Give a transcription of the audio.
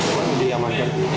kapan jadi yang makan